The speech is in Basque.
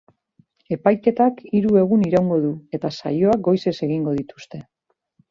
Epaiketak hiru egun iraungo du, eta saioak goizez egingo dituzte.